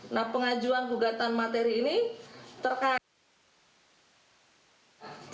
nah pengajuan ujian materi ini terkait dengan